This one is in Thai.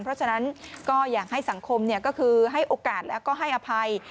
เพราะฉะนั้นก็อยากให้สังคมก็คือให้โอกาสแล้วก็ให้อภัย